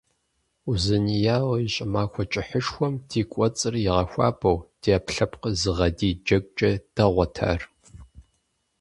Узуняйла и щӀымахуэ кӀыхьышхуэм ди кӀуэцӀыр игъэхуабэу, ди Ӏэпкълъэпкъыр зыгъэдий джэгукӀэ дэгъуэт ар.